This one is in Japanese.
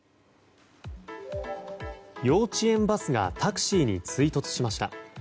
幼稚園バスがタクシーに追突しました。